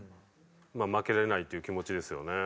負けられないっていう気持ちですよね。